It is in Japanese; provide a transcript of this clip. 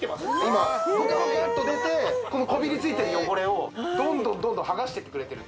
今ブクブクっと出てこびりついてる汚れをどんどんどんどんはがしてってくれてる